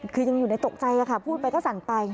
คือยังอยู่ในตกใจค่ะพูดไปก็สั่นไป